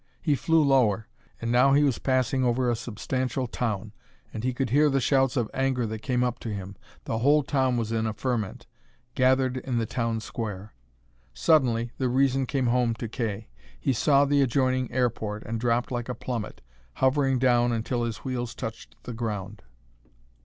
He flew lower, and now he was passing over a substantial town, and he could hear the shouts of anger that came up to him. The whole town was in a ferment, gathered in the town square. Suddenly the reason came home to Kay. He saw the adjoining airport, and dropped like a plummet, hovering down until his wheels touched the ground.